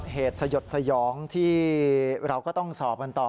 สยดสยองที่เราก็ต้องสอบกันต่อ